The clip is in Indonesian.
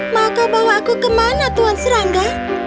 mau kau bawa aku kemana tuan serangga